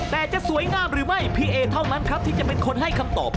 แต่จะสวยงามหรือไม่พี่เอเท่านั้นครับที่จะเป็นคนให้คำตอบ